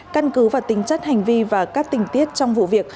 căn cứ vào tính chất hành vi và các tình tiết trong vụ việc